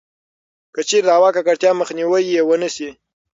کـچـېرې د هوا کـکړتيا مخنيـوی يـې ونـه شـي٫